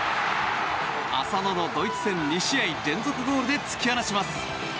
浅野のドイツ戦２試合連続ゴールで突き放します。